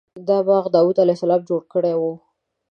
دا باغ داود علیه السلام جوړ کړی و.